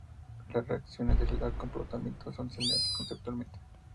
Las reacciones de acoplamiento son similares conceptualmente.